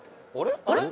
「あれ？